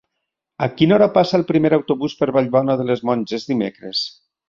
A quina hora passa el primer autobús per Vallbona de les Monges dimecres?